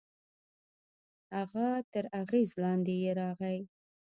هغه تر اغېز لاندې يې راغی.